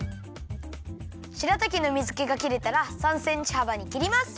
しらたきの水けがきれたら３センチはばにきります。